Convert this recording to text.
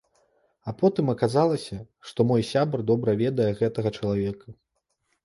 А потым аказалася, што мой сябар добра ведае гэтага чалавека.